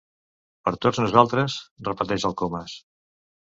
Per tots nosaltres! —repeteix el Comas.